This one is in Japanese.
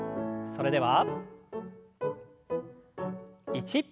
それでは１。